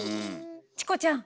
チコちゃん！